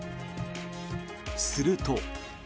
すると。